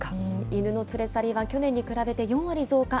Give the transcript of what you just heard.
犬の連れ去りは去年に比べて４割増加。